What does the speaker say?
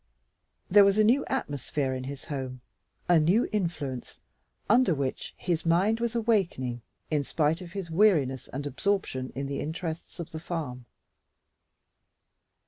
There was a new atmosphere in his home a new influence, under which his mind was awakening in spite of his weariness and absorption in the interests of the farm.